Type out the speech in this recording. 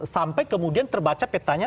sampai kemudian terbaca petanya